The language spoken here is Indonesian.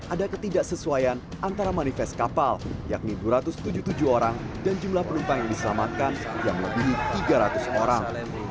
ada ketidaksesuaian antara manifest kapal yakni dua ratus tujuh puluh tujuh orang dan jumlah penumpang yang diselamatkan yang melebihi tiga ratus orang